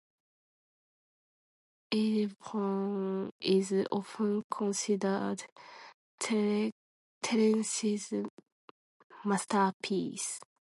"Adelphoe" is often considered Terence's masterpiece.